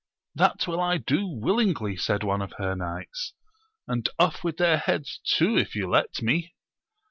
That will I do willingly, said one of her knights, and off with ^ heads too if you let me